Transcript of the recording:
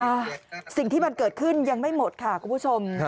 อ่ะสิ่งที่มันเกิดขึ้นยังไม่หมดค่ะคุณผู้ชม